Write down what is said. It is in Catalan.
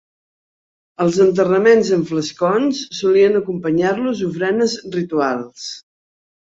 Als enterraments en flascons solien acompanyar-los ofrenes rituals.